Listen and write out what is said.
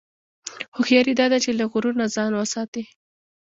هوښیاري دا ده چې له غرور نه ځان وساتې.